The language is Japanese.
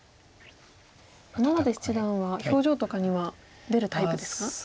沼舘七段は表情とかには出るタイプですか？